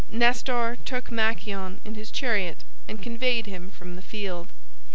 Nestor took Machaon in his chariot and conveyed him from the field.